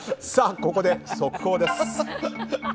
ここで速報です。